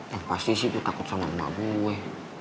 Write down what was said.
yang pasti sih itu takut sama emak gue